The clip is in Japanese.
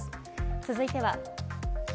続いては。